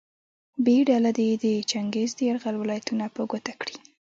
ب ډله دې د چنګیز د یرغل ولایتونه په ګوته کړي.